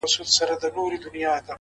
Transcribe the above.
خدايه ته لوی يې،